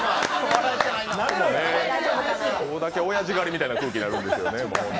ここだけ、おやじ狩りみたいな空気になるんですよね。